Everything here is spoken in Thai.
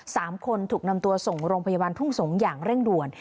สามคนถูกนำตัวส่งโรงพยาบาลทุ่งสงศ์อย่างเร่งด่วน